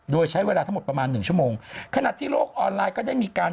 โดยใช้เวลาทั้งหมดประมาณหนึ่งชั่วโมงขณะที่โลกออนไลน์ก็ได้มีการ